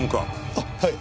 あっはい。